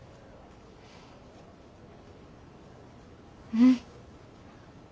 うん。